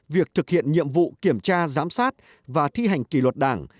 việc thực hiện nhiệm vụ kiểm tra giám sát và thi hành kỷ luật đảng